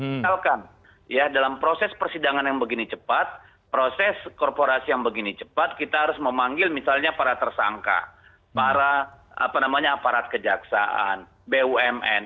misalkan ya dalam proses persidangan yang begini cepat proses korporasi yang begini cepat kita harus memanggil misalnya para tersangka para aparat kejaksaan bumn